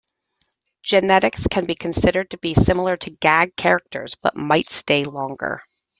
Generics can be considered to be similar to gag characters, but might stay longer.